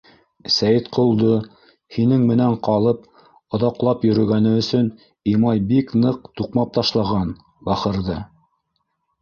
Сәйетҡолдо, һинең менән ҡалып оҙаҡлап йөрөгәне өсөн, Имай бик ныҡ туҡмап ташлаған, бахырҙы.